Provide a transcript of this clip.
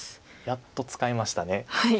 やっと使いました。